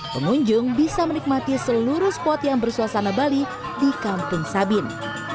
pengunjung bisa menikmati seluruh spot yang bersuasana bali di kampung sabin